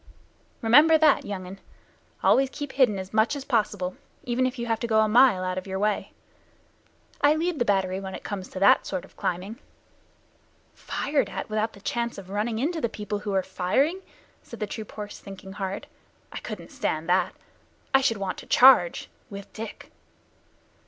Remember that, young un. Always keep hidden as much as possible, even if you have to go a mile out of your way. I lead the battery when it comes to that sort of climbing." "Fired at without the chance of running into the people who are firing!" said the troop horse, thinking hard. "I couldn't stand that. I should want to charge with Dick."